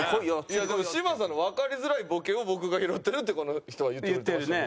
でも嶋佐のわかりづらいボケを僕が拾ってるってこの人は言ってくれて。